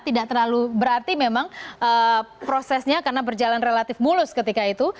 tidak terlalu berarti memang prosesnya karena berjalan relatif mulus ketika itu